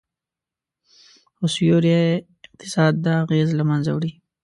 خو سیوري اقتصاد دا اغیز له منځه وړي